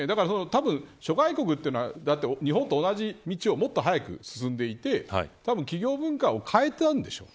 たぶん諸外国って日本と同じ道をもっと早く進んでいてたぶん企業文化を変えたんでしょう。